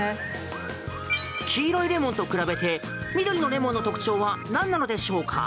黄色いレモンと比べて緑のレモンの特徴はなんなのでしょうか？